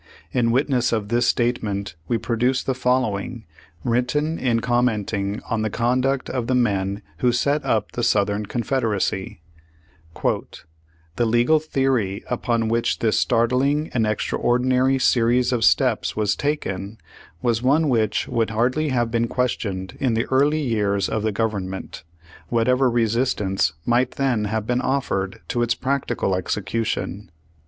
In witness of this statement we produce the following, written in commenting on the con duct of the men who set up the Southern Con federacy : "The legal theory upon which this startling and extraor dinary series of steps was taken was one which would hardly have been questioned in the early years of the government, whatever resistance might then have been offered to its practical execution.